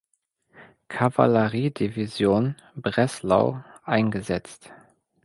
Kavalleriedivision (Breslau) eingesetzt.